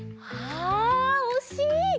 あっおしい。